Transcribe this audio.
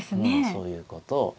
そういうことを。